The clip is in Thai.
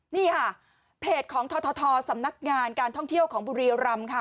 นี่ค่ะเพจของททสำนักงานการท่องเที่ยวของบุรีรำค่ะ